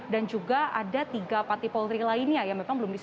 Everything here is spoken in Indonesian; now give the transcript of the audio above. dan juga ada tiga pati polri lainnya yang memang belum disertai